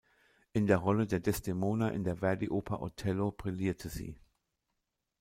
In der Rolle der "Desdemona" in der Verdi-Oper "Otello" brillierte sie.